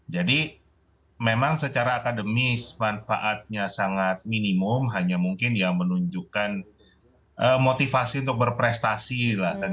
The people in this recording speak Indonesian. memang secara akademis manfaatnya sangat minimum hanya mungkin ya menunjukkan motivasi untuk berprestasi lah